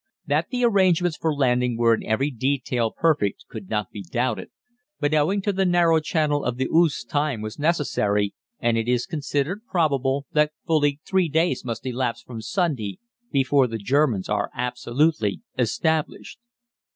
That the arrangements for landing were in every detail perfect could not be doubted, but owing to the narrow channel of the Ouse time was necessary, and it is considered probable that fully three days must elapse from Sunday before the Germans are absolutely established.